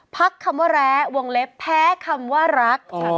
พักคำว่าแร้วงเล็บแพ้คำว่ารัก